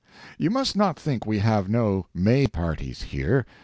You must not think we have no May parties here.